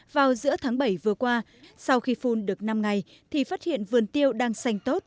vào giữa tháng bảy vừa qua sau khi phun được năm ngày thì phát hiện vườn tiêu đang xanh tốt